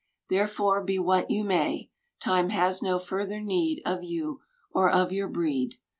Therefore, be what you may, Time has no further need Of you, or of your breed.